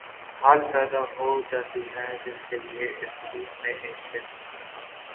حال پیدا ہو جاتی ہے جس کے لیے اس حدیث میں ایک جن